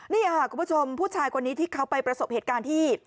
นี่ค่ะคุณผู้ชมผู้ชายคนนี้ที่เขาไปประสบเหตุการณ์ที่